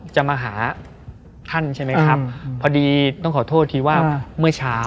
จะมาหาท่านใช่ไหมครับพอดีต้องขอโทษทีว่าเมื่อเช้า